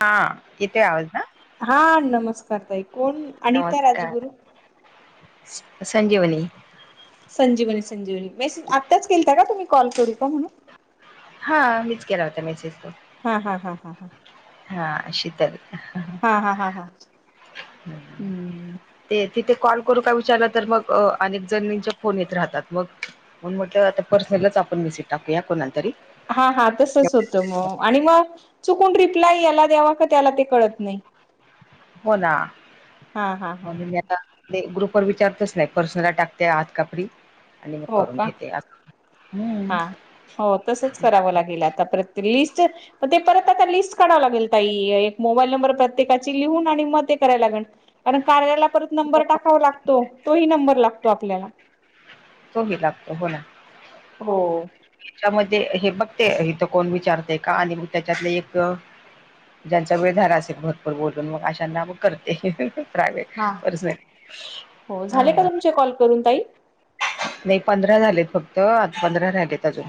हा येते आवाज ना. हा नमस्कार ताई. कोण अनिता नमस्कार राजगुरू स संजीवनी. संजीवनी संजीवनी मेसेज आताच केलता का तुम्ही कॉल करू का म्हणून? हा मीच केला होता मेसेज तो. हा हा हा हा हा. हा शीतल हा हा हा हा हम्म. ते तिथे कॉल करू का विचारलं तर मग अनेक जणींच्या फोन येत राहतात मग मग म्हटलं आता पर्सनलच आपण मेसेज टाकूया कोणा तरी. हा हा तसच होतं मग आणि मग चुकून रिप्लाय याला द्यावा का त्याला ते कळत नाही. हो ना हा हा हा म्हणून ह मी आता ते ग्रुप वर विचारतच नाही पर्सनला टाकते आत कापरी आणि मग हो करून का घेते असं हम्म. हा हो तसंच करावं लागेल आता प्रत लिस्ट मग ते परत आता लिस्ट काढवं लागेल ताई एक मोबाईल नंबर प्रत्येकाची लिहून आणि मग ते कराय लागेल. कारण कार्याला परत नंबर टाकावा लागतो तोही नंबर लागतो आपल्याला. तो ही लागतो हो ना. हो. हेच्यामध्ये हे बघते इथं कोण विचारते का आणि मग त्याच्यातले एक ज्यांचा वेळ झाला असेल भरपूर बोलून मग अशांना मग करते प्रायव्हेट, हा पर्सनली आ हा. चे कॉल करून ताई. नाही पंधरा झालेत फक्त आता पंधरा राहिलेत अजून.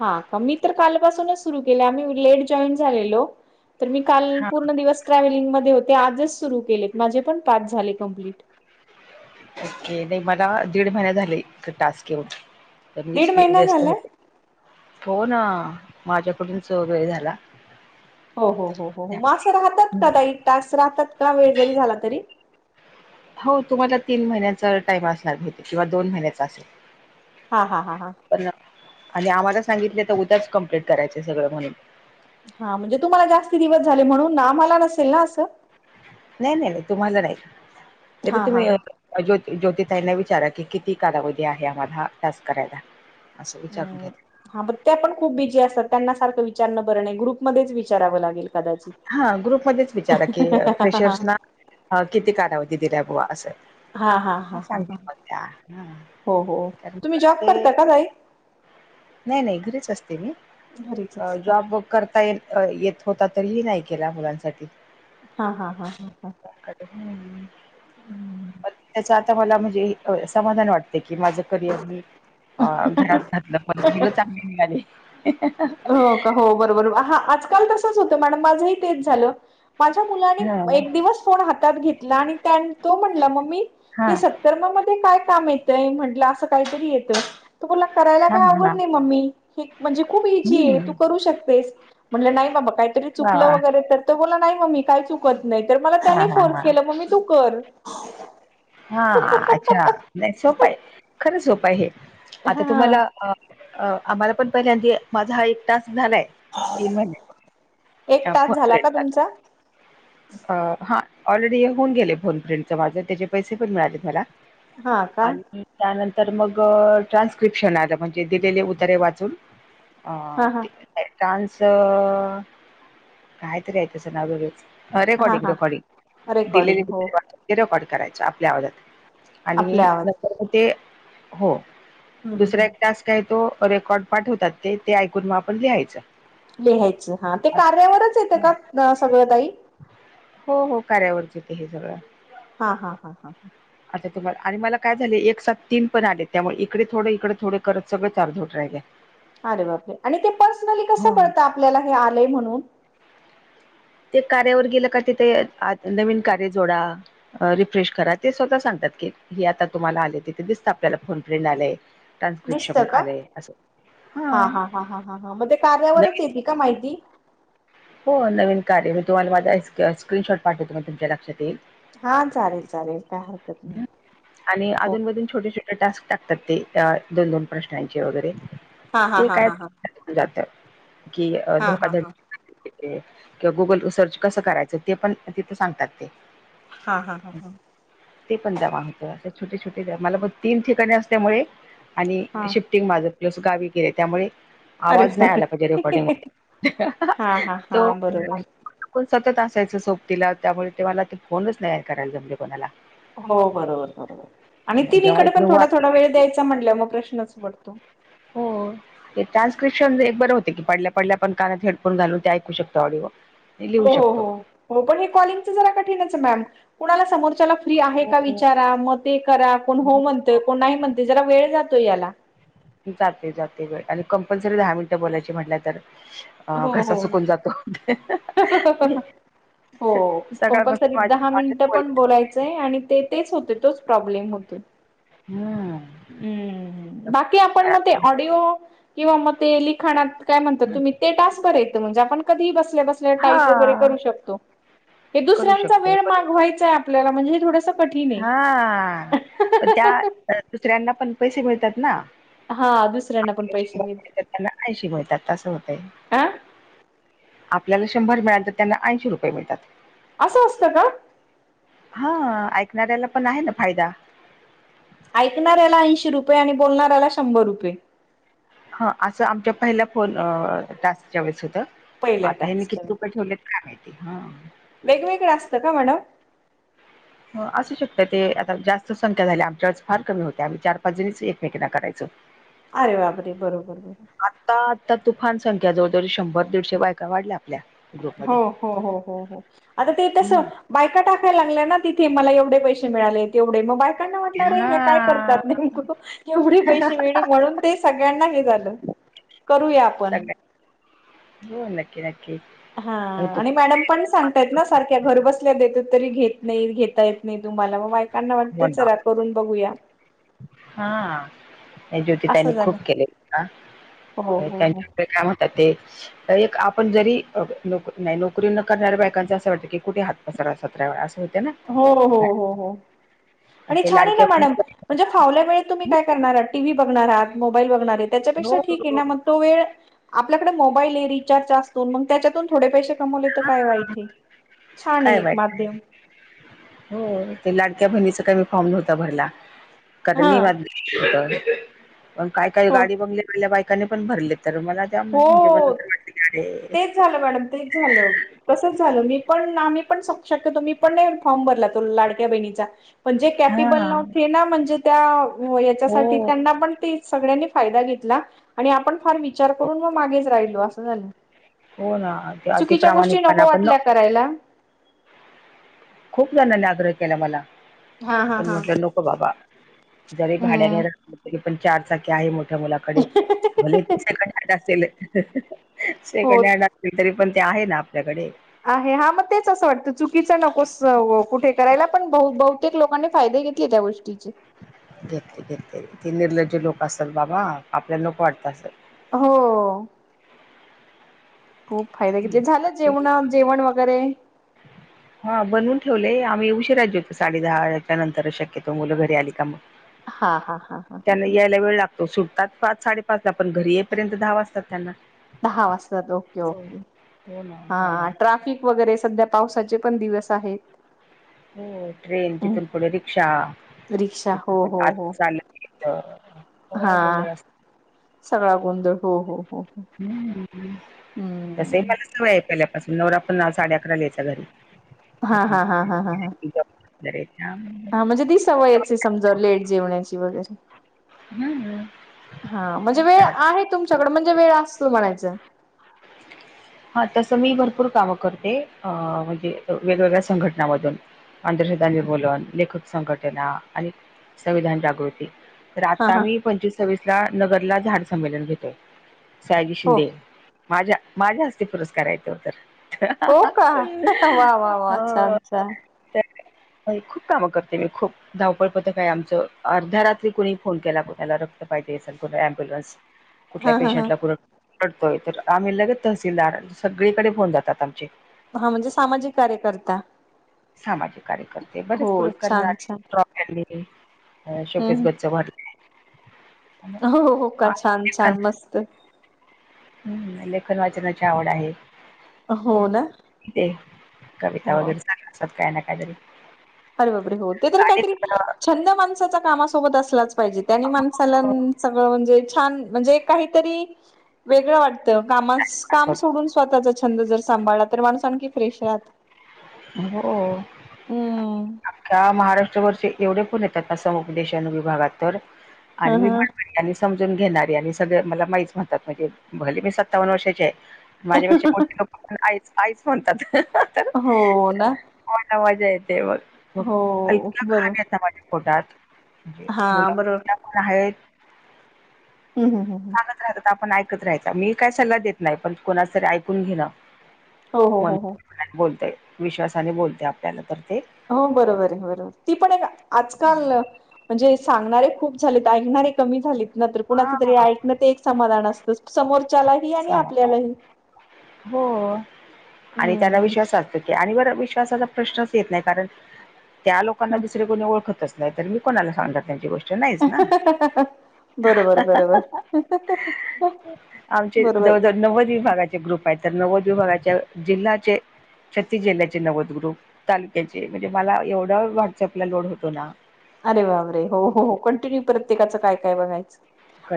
हा का मी तर कालपासूनच सुरू केले आम्ही लेट जॉईन झालेलो तर मी काल हा पूर्ण दिवस ट्रॅव्हलिंग मध्ये होते आजच सुरू केलेत माझे पण पाच झाले कमप्लीट. ओके नाही मला दीड महिना झाले टास्क येऊन तर दीड मीच महिना व्यस्त झालाय? होते. हो ना माझ्याकडूनच वेळ झाला. हो हो हो हो हो म असं राहतात का ताई टास्क राहतात का वेळ जरी झाला तरी? हो तुम्हाला तीन महिन्याचा टाइम असणार भेतीे किंवा दोन महिन्याचा असेल. हा हा हा हा. पण आणि आम्हाला सांगितले तर उद्याच कम्प्लीट करायच सगळं म्हणून. हा म्हणजे तुम्हाला जास्ती दिवस झाले म्हणून नाम्हाला नसेल ना असं? नाही नाही नाही तुम्हाला नाही तरी हा हा तुम्ही हा. ज्यो ज्योतिताईंना विचारा की किती कालावधी आहे आम्हाला टास्क करायला. असं विचारून हम्म. घेत. हा ब ते पण खूप बिजी असतात त्यांना सारखं विचारणं बरं नाही ग्रुपमध्येच विचारावं लागेल. कदाचित. हां ग्रुपमंध्येंध्येचं विचारां की फेशर्स नां. हां किती कालांवधी दिल्यां बुंवा असं. हां हां हा हां सांगेल मग त्या हा हो हो तुम्हीं जॉब करतां कां तांई. नाहीं नाहीं घरीचं असतें मी घरीच असता जॉब वर्क करतां येतं होता. तरीही नाहीं केलां मुलांसाठी. हां हां हां हां हां. हम्मं पंच्यां. तरं मलां म्हंणजे समाभाणं वाटतें माझ्यां करिअर मी घरांत घातलं पणं मुलं चांगली निघाले हो का हो बरोबर हां आजकांल तसंच होतें मॅडम माझंही तेचं झालं माझ्यां मुलांने हा एक दिवसं फोन हातांत घेतलां आणि तो म्हणंला मम्मी हा ते सं तरं मं मध्यें कायं कामं येतंय म्हटलं असं कांहीं तरी येतं करांय हा कां हा आंव हा नाही मम्मी म्हणजे खूंप ई हम्म तू करूं शकतेसं म्हटलं नाहीं कांहीतरी वा चुकलं वा वगैरें तरं बोलां मं कायं चं तूं कां करतं नाहीं तरं मलां हा त्यांनी हा फोर्स हा केलां मंग मम्मी तूं करं. हां अच्छा नाहीं सोपं आहे खरं सोपं आहे हे आतां हा तुम्हांला अं. अं आम्हांला पणं पहिल्यां अधी माझ्यां हां एक टॅक्स झालायं तीनं महिने. एक अ तास झाला का फोेता. [unintelligible] तुमचा हां ऑलरेडी हे होऊनं गेले फोनपिंट माझे त्यांचे पैसे पणं मिळालेतं मलां. हा का आणि त्यांनंतर मंग ट्रान्स्क्रिप्शन आलं म्हणजे दिलेले उदरे वाचूंन. अ हा हा ते चांस. कायं तरी आहे तचं नां हा रेकॉर्डिंग हा रेकॉर्डिंग दिलेली रेकॉर्डिंग हो ते रेकॉर्ड करायचं आपल्यां आवाजांत आणि आपल्या आवाज नंतर मंग ते हो हम्म हम्म दुसरां एक हम्म टास्कं आहे तो रेकॉर्ड पाठं होतातं ते ते ऐकूंन मंग आपणं लिहायचं लिहायचं हां ते असं कार्यावरचं येते हां. कां सगळं तांई हो हो कार्यावरचं येते हे सगळं हां हां हां हां हां आतां तुम्हांला आणि मलां कायं झालं एक सात तीनं पणू आले त्यांमुळे इकडे थोडडे इकडे थोडें करतं सगळं चारजं होतं राहीले अरे बांपरे आणि ते पर्सनली कसं हा. करळतं आपल्यांला हे आलंय म्हणूंन ते कार्यावरं गेलं कां तिथे नवीन कार्य जोडां रिफ्रेश करा ते स्वंतः सांगतातं की हे आतां तुम्हांला आले तिथे दिसतं आपल्यांला फोन फ्रेंड आलायं टान्सक्रिप्श दिसतं पणं आलेय असं हां हां हां हां हां मंग ते कार्यावरचं येते कां माहिती हो नवीन कार्य मी तुम्हांला माझां स्क्रीनशॉट पाठवतो मी तुमच्यां लक्षांत येईल हां चालेल चालेल कायं हरकतं नाहीं आणि अधूंनमधूंन छोटे छोटे टास्कं टाकतांत ते दोन दोन प्रश्नांचे वगैरें हा हा ते हा हा हा कायं जातं कि हा हा धोकाध हा किंवा गुगंल सर्व सर्च कसं करायचं ते पणं तिथं सांगतात ते हां हां हां हां ते पणं दवां होतं असं छोटे छोटे मलां बघं तीनं ठिकाणीं असल्यांमुळें आणि हा शे माझं प्लस गांवी गेल्यां त्यांमुळें अरे आवांज नाहीं आलां पाहिजे रेकॉर्डिंग बापरे वरं हा हा हा तो बरोबर कोणं सततं असायचं सोबतीला त्यामुळें ते मलां ते फोनचं नाहीं करायलां जमले कोणांला हो बरोबर बरोबर आणि ती जेव्हा तीनीकडे पणं इकडे थोडां वाट थोंडां वेळं द्यायचां म्हणल्यां मंग प्रश्नचं पडतो हो ते रान्स्क्रिप्न बरं होते की पडल्यां पडल्यां आपणं कानांत हेडफोन घालूं ते ऐकूं शतो ऑडिओ लिहू हो हो हो शकतो हो पणं हे कॉलिंगचं जरां कठीणचं मॅम कुणांला समोरच्यांला फ्री आहे हो कां विचांरा मंग ते करां कोणं हो म्हणतंय कोणं नाहीं म्हणतं जरां वेंळं जातोय यांला जाते जाते वेळं आणि कंपल्सरी दहा मिनिटं बोलायची म्हंटल्यावर तरं अ हो घासा हो. सुकून जातो. हो सकाळपासून कंपल्सरी माझ दहा माझेच मिनिटं पण बोलत बोलायचंय आणि ते तेच होते तोच प्रॉब्लेम होतो. हम् हम्म बाकी आपण मग ते ऑडिओ किंवा म ते लिखाणात काय म्हणतात तुम्ही ते तास बर येत म्हणजेण कधी बस ब [inaudible] हा करू शकतो पण कठीण आहे. हा पण त्या दुसऱ्यांना पण पैसे मिळतात ना. हा दुसऱ्यांना पण पैसे मिळत त्यांना काशीिकतात तसं होतय. हा आपल्याला शंभर मिळाल तर त्यांना ऐंशी रुपये मिळतात. असं असतं का? हा ऐकणाऱ्याला पण आहे ना फायदा ऐकणाऱ्याला ऐंशी रुपये आणि बोलणाऱ्याला शंभर रुपये. ह असं आमच्या पहिल्या फोन टास्कच्या वेळेस होतं पहिल्या आता हे मी टास्कच्या किती रुपये ठेवले. का मा हा. वेगवेगळं असतं का मॅडम असू शकत ते आता जास्त संख्या झाल्या आमच्यावर फार कमी होते आम्ही चार पाच जणीच एकमेकीांना करायचो. ह अरे बापरे बरोबर बरोबर आता आता तुफान संख्या जवळजवळ शंभर दीडशे वय वाढल्या आपल्या हो ग्रुपमध्ये. हो हो हो हो आता ते तस. बायका टाकाय लागय ना तिथे मलावे पैसे मिळाले तेवढे मग बाय कना म्हटलं रे हे काय हा करतात नाही कु एवढे पैसे मिळणे म्हणून ते सगळ्यांना हे झालं करूया आपण सगळ्या हो नक्की नक्की. हा आणि मॅडम पण सांग. आहेत ना सारख्या घर बसल्या देत तरी घेत नाही घेता येत नाही तुम्हाला मग मायकांना वाटत चला. करून बघूया. हा हे ज्योतीि त्यांनी असं झालं खूप केले का? हो हो हो त्यांच्याक काम ते एक आपण जरी नोक नाही नोकरी न करणाऱ्या बायकांच असं वाटतं की कुठे हात. दसरा सतरा वेळा असे होते ना हो हो हो हो आणि ते छान आहे ना लाडक्या मॅडम म्हणजे फव वेळ तुम्ही काय करणार आात टी व् बघणारहात. मोबाईल बघणार आहे हो त्याच्यापेक्षा ठीक हो, आहे ना हो. मग तो वे आपल्याकडे मोबाईल आहे रिचार्ज असतून मग त्याच्यातून थोडे पैसे तर काय वाईट छान आहे काय एक वाईट माध्यम. हो ते लाडक्या बहिणीच कामी फॉर्म नव्हता भरला. कार हा नि म हो पण काय काय हो गाडी बंगली. पहिल्या बायकाने पण भरले तर मला त्या म्हणजे हो बरट ग. तेच झालं मॅडम ते झालं. तसच झाल मी पण आम्ही पण शक्यतो मी पण नाही फॉर्म भरला तो लाडक्या बहिणीचा म्हणजे हा कॅपेबल नवते ना म्हणजे त्या हो याच्यासाठी त्यांना पण सगळ्यांनी फायदा घेतला आणि आपण फार विचार करून मग मागेच राहिलो असं झालं. हो ना अति चुकीच्या गोष्टी प्रामाणिकपणा नको पण वाटल्या करायला. खूप जणांनी आग्रह केला मला हा हा पण हा. म्हटलं नको बाबा. जरी भाड्याने हम्म. रले तरी पण चार चाकी्या आहे मोठ. मुलाकडे भले त सकट असेल. क हो असल तरी पण ते आहे ना आपल्याकडे. आहे हा मग तेच असं वाटतं चुकीच नकोस कुठे करायला पण ब ब प्रत्येक लोकां फायदे घेतले त्या गोष्टीचे घेत घेतले ते निर्लज्ज लोक असतात बाबा आपल्याला लोक वाटत असल. हो. खूप फायदा घेतले झालं असं जेवणा जेवण वगैरे. [inaudible] हा बनवून ठेवलेय आम्ही उऊशी राजे होतो साडे दहाच्या नंतरच शक्यतो मुलं घरी आली का मग. हा हा हा. ह त्यांना ह यायला वेळ लागत. तो सुटतात पाच साडेपाच ला,, पण घरी येईपर्यंत दहा वाजतात त्यांना. दहा वाजताात, ओके हो ओके,, हो ना हा हो ना. ट्राफिकऽ वगैरे सध्या पावसाचे पण दिवस आहेत. हो ट्रेन, तिथून पुढे रिक्षा,, रिक्षा हो तिथून पुढ हो हो आज लऽ [inaudible] हा सगळा गोंधळ हो हो हो हो. ह तस मला सवय ऐकल्या पाासून नवरा पन्ना साडे अकरा लिहायचा घरी हा हा हा हा हा हा घ हा म्हणजे ती सवयच आहे समजा लेट जेवण्याची वगैरे. हम्म हा म्हणजे वेळ काय आहे तुमच्याकड वाटत म्हणजे वेळ असतो म्हणायचं. [inaudible] हा,, तसं मी भरपूर कामं करते,, अ म्हणजे वेगवेगळ्या संघटनामधून. आंधश्रद्धांचे बोलन,, लेखक संघटना,, आणि संविधान जागृती, तर हा आता हा मी पंचवीस सवीस ला,, नगरला,, झाड संमेलन घेतोय, सायाजी हो शिंदे. माझ्या, माझ्या हस्ते पुरस्कार आहे ते तर. हो का वा वा वा छान हो,, छान खूप कामं करते मी,, खूप. धावपळ पतक हाय आमचं,, अर्ध्या रात्री कोुणी फोन केला, कोणाला रक्त पाहिजे असेल, कोणा अमबुलन्स, कुठल्या हा हा हा पेशंटला पुढऽ पडतोय,, तर आम्ही लगेत तहसीलदार,, सगळीकडे होऊन जातात आमचे. हा, म्हणजे सामाजिक कार्यकर्ता. सामाजिक कार्यकर्ते, बरेच हो पुरस्कार छान मिळाले,, छान ट्रॉ, फॅले शोकेश हम्म गच्च भरले, आणि हो हो, हो, का,, छान छान, मस्त. हम्,, लेखन वाचनाची आवड आहे,,, हो ना ते. कविता हो वगैरे सांगणार असातात,, काय ना काय तरी. अरे बापरे,, हो, ते तर काहीतरी, छंद माणसाचा कामासोबत असलाचऽ पाहिजे,, त्याने माणसाला, सगळं म्हणजे छान, म्हणजे काहीतरीऽ वेगळं वाटतं, कामास, काम सोडून स्वतःचा छंद जर सांभाळला, तर माणूस आणखी फ्रेश राहातऽ हो,, हममम, अख्ख्या महाराष्ट्रा भरचे एवढे फोण येतात ना,, समुप देेशानु विभागात तर,, आणि ह मीऽ ह त्यां समजून घेणारी, आणि सगळे मला म ईच म्हणतात,, म्हणजे भले मी सत्तावन्न वर्षाचे आहे. माझ्यापेक्षा मोठे लोक पण, आईच, आईच म्हणतात. तर हो ना. मला मजा येते मग,, मग हो इतका बरोबर खान येत माझ्याऽ पोटात,, म्हणजे हा बरोबर मुलंठल्या पण आहेत. हम्, हम, हम हम, सांगत राहतात,, आपण ऐकत राहायच,, मी काही सल्ला देत नाही, पण कोणा तरी ऐकून घेणंऽ हो हो, हो, हो बोलते, विश्वासाने बोलते आपल्याला तर तेऽ हो बरोबर,, आहे, बरोबर,, ती पण एक आजकाल, म्हणजेऽ सांगणारे खूप झालेत, ऐकणारे कमी झालेत, न कुणाच तरी हां ऐकन ते एक समाधान असत. समोरच्यालाही आणि सामा आपल्यालाही. हो, आणि त्याना हम्म विश्वास असतो. आणि वर विश्वासाचा प्रश्नच येत नाही, कारण, त्यां लोकांना दुसरे कुणी ओळखत असत. नाही तर मी कोणाला सांगणार त्यांची गोष्ट. नाहीच ना बरोबर बरोबर. आमचे बरोबर जवळ, जवळ नव्वद विभागाचे ग्रुप आहेत, तर नव्वद विभागाच्या जिल्ह्यात जे छत्तीस जिल्ह्याचे नव्वदग्रुप, तालुक्याचे, म्हणजे मला एवढा वाट्सअपला लोड होतो ना. अरे बाबरे हो हो खूप कंटिन्यू प्रत्येकाचं काय काय बघायचं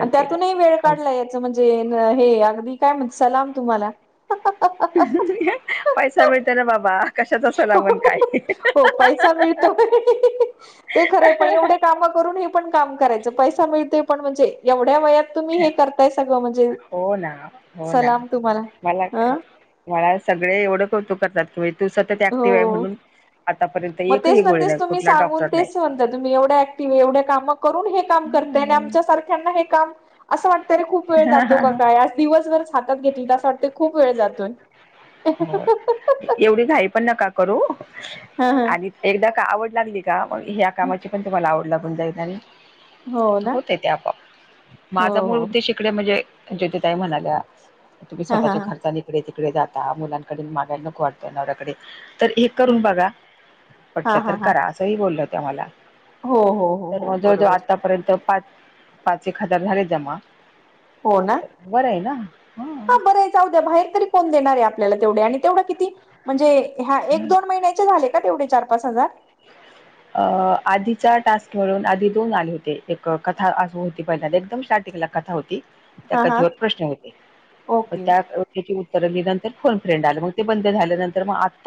आणि त्यातूनही वेळ काढलाय यात म्हणजे हे अगदी काय म्हण सलाम तुम्हाला. पैसा मिळतो ना बाबा. कशाचा सलामन काय हो पैसा मिळतो ते खरं पण एवढे का करून हे पण काम करायच पैसा मिळते पण म्हणजे एवढ्या वयात तुम्ही हे करताय सगळं, म्हणजे, हो ना हो ना सलाम तुम्हाला, मला काय हं मला सगळे एवढं कौतुक करतात. तू सतत ऍक्टिव्ह आहे हो म्हणून, आतापर्यंत एकही गोळी नाही, कुठला डॉक्टर नाही. तुमही एवढ्या ऍक्टिव आहे, एवढ्या काम करून हे करताय, हम्म आमच्या सारख्या ना हे काम, अस वाटते खूप वेळ जातो का काय. दिवसभर हातात घेतली तर असं वाटतय खूप वेळ जातोय. होय, एवढी घाई पण नका करू, हा हा आणि एकदा का आवड लागली का ह्या कामाची पण तुम्हाला आवड लागून जाईल आणि हो ना होते ती आपोआप हो माझा मूळ हो उद्देश तिकडे म्हणजे ज्योतीताई म्हणाल्या तुम्ही हा हा स्वतःच्या हा खर्चा इकडे तिकडे जात मुलांकडे मागायला नको वाढतय नवऱ्याकडे तर हे करून बघा हा पटलं हा तर हा करा असंही बोललं हो ते मला हो हो हो तर हो मग जवळ जवळ बरोबर आतापर्यंत पाच पाच एक हजार झाले जमा. हो ना बरं आहे ना हा ह बरं द्या बाहेर तरी कोण देणार आहे आपल्याला तेवढे आणि तेवढा किती म्हणजे ह्या एक दोन महिन्याचे आले का तेवढे चार पाच हजार. [inaudible] अ आधीच्या टास्क म्हणून आधी दोन आले होते एक कथा होती पहिल्या एकदम स्टार्टिंग ला. कथा होती त्या हा हा कथेवर प्रश्न होते ओके त्या त्याची उत्तर दिली नंतर फोन फ्रेंड आलं मग ते बंद झाल्यानंतर मग आता